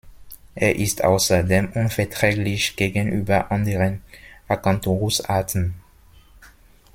Er ist außerdem unverträglich gegenüber anderen Acanthurus-Arten.